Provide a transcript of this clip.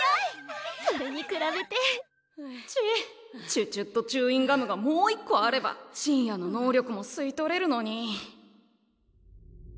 チュチュットチューインガムがもう一個あれば晋也の能力も吸い取れるのに。